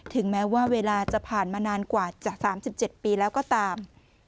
ถึงแม้ว่าเวลาจะผ่านมานานกว่าจะ๓๗ปีแล้วก็ตาม